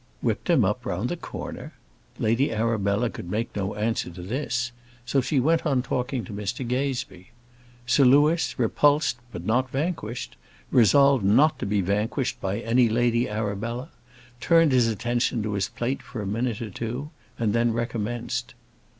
Whipped him up round the corner! Lady Arabella could make no answer to this; so she went on talking to Mr Gazebee. Sir Louis, repulsed, but not vanquished resolved not to be vanquished by any Lady Arabella turned his attention to his plate for a minute or two, and then recommenced.